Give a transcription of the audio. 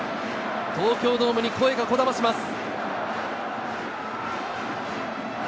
東京ドームに声がこだまします。